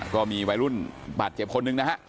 ก็มีวัยรุ่นบาดเจ็บคนหนึ่งนะฮะ